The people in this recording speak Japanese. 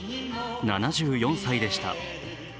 ７４歳でした。